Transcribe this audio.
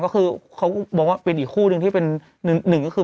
ก็คือเขามองว่าเป็นอีกคู่หนึ่งที่เป็นหนึ่งก็คือ